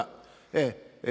ええ。